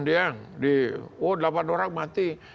diang oh delapan orang mati